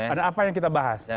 ada apa yang kita bahas